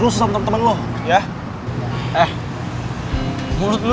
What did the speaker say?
ini sesuatu yang kita vinbali dulu